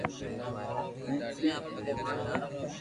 ھين تين ڪواريو ھي